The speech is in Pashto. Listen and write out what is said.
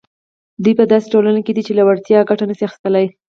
دوی په داسې ټولنه کې دي چې له وړتیاوو ګټه نه شي اخیستلای.